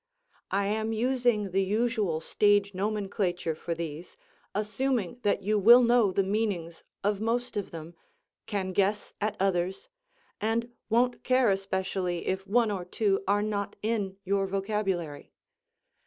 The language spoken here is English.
(I am using the usual stage nomenclature for these, assuming that you will know the meanings of most of them, can guess at others, and won't care especially if one or two are not in your vocabulary.